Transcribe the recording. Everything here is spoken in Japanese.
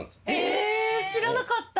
え知らなかった！